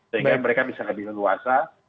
sehingga mereka bisa lebih leluasa